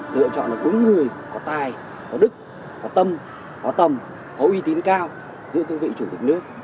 lựa chọn là đúng người có tài có đức có tâm có tầm có uy tín cao giữa cương vị chủ tịch nước